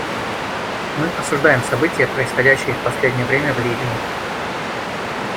Мы осуждаем события, происходящие в последнее время в Ливии.